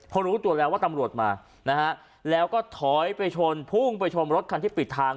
พอรู้ตัวแล้วว่าตำรวจมานะฮะแล้วก็ถอยไปชนพุ่งไปชนรถคันที่ปิดทาง